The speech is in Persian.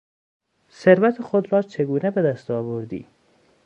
ثروت خود را چگونه به دست آوردی؟